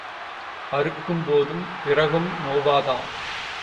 அறுக்கும்போதும் பிறகும் நோவாதாம்.